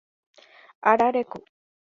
Arareko